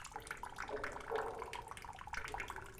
母白氏。